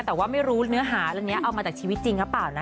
แต่ว่าไม่รู้เนื้อหาเรื่องนี้เอามาจากชีวิตจริงหรือเปล่านะ